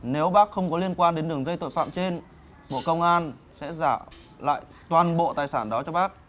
nếu bác không có liên quan đến đường dây tội phạm trên bộ công an sẽ giả lại toàn bộ tài sản đó cho bác